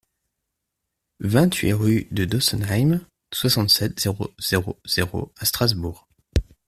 vingt-huit rue de Dossenheim, soixante-sept, zéro zéro zéro à Strasbourg